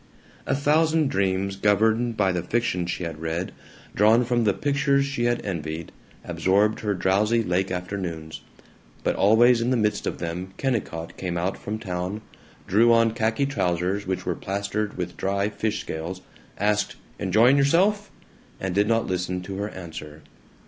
A thousand dreams governed by the fiction she had read, drawn from the pictures she had envied, absorbed her drowsy lake afternoons, but always in the midst of them Kennicott came out from town, drew on khaki trousers which were plastered with dry fish scales, asked, "Enjoying yourself?" and did not listen to her answer.